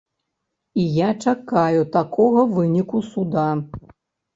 І я чакаю такога выніку суда.